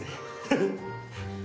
フフッ。